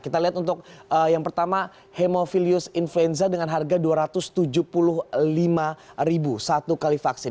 kita lihat untuk yang pertama hemofilius influenza dengan harga rp dua ratus tujuh puluh lima satu kali vaksin